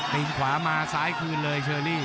กลิ่นขวามาสายคืนเลยเชอรี่